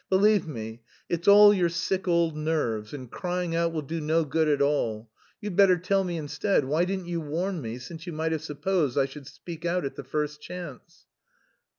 "Believe me, it's all your sick old nerves, and crying out will do no good at all. You'd better tell me instead, why didn't you warn me since you might have supposed I should speak out at the first chance?"